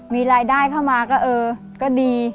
มีรายได้เข้ามาก็เออก็ดี